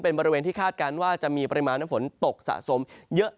เป็นบริเวณที่คาดการณ์ว่าจะมีปริมาณน้ำฝนตกสะสมเยอะ